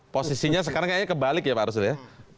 posisinya sekarang kayaknya kebalik ya pak arsul ya